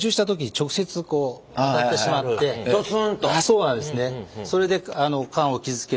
そうなんですね。